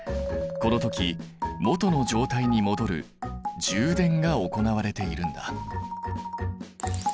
この時元の状態に戻る充電が行われているんだ。